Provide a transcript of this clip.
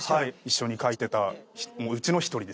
一緒に描いてたうちの１人です。